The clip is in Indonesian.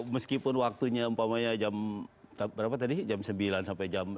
meskipun waktunya umpamanya jam berapa tadi jam sembilan sampai jam enam